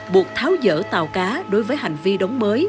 buộc tháo dỡ tàu cá đối với hành vi đóng mới